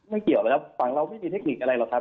เกี่ยวแล้วครับฝั่งเราไม่มีเทคนิคอะไรหรอกครับ